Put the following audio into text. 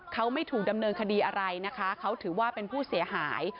เขาไม่ถูกดำเนินคดีอะไรนะคะเขาถือว่าเป็นผู้เสียหาย